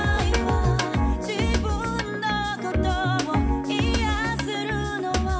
「自分のことを癒せるのは」